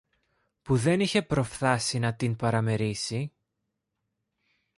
που δεν είχε προφθάσει να την παραμερίσει.